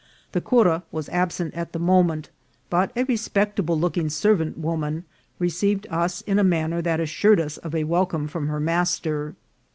The cura was absent at the moment, but a respectable looking ser vant woman received us in a manner that assured us of a welcome from her master.